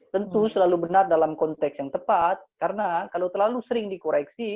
tentu selalu benar dalam konteks yang tepat karena kalau terlalu sering dikoreksi